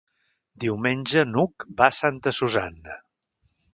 Diumenge n'Hug va a Santa Susanna.